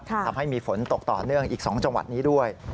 ทำให้มีฝนตกต่อเนื่องอีก๒จังหวัดนี้ด้วย